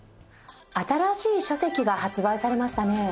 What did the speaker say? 新しい書籍が発売されましたね。